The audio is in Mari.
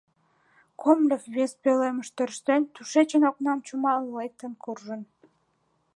Комлев вес пӧлемыш тӧрштен, тушечын окнам чумалын, лектын куржын.